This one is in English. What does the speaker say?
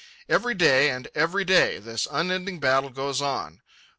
Every day and every day this unending battle goes on.